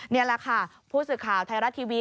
นี่แหละค่ะผู้สื่อข่าวไทยรัฐทีวี